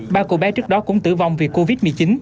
ba cô bé trước đó cũng tử vong vì covid một mươi chín